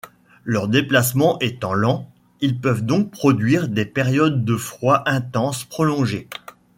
Leur déplacement étant lent, ils peuvent donc produire des périodes de froid intense prolongé.